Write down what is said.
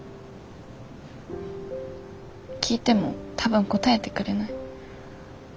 聞いても多分答えてくれない。